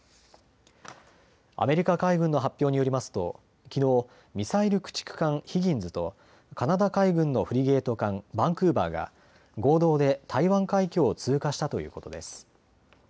アメリカ海軍の発表によりますときのう、ミサイル駆逐艦ヒギンズとカナダ海軍のフリゲート艦バンクーバーが合同で台湾海峡を通過したということです。